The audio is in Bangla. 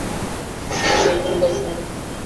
চিরদিনের জন্যে তারা সমূলে উৎখাত হয়ে যায়।